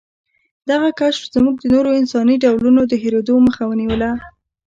دغه کشف زموږ د نورو انساني ډولونو د هېرېدو مخه ونیوله.